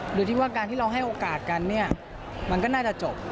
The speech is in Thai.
หรือที่ว่าการที่เราให้โอกาสกันมันก็น่าจะจบ